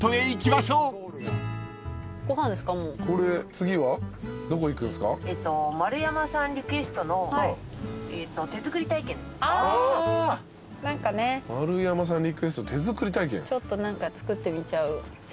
ちょっと何か作ってみちゃう。